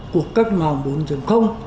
cuộc cách mạng bốn